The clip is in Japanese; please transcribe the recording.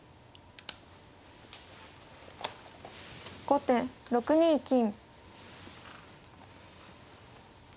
後手６二金。